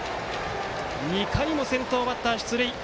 ２回も先頭バッターが出塁。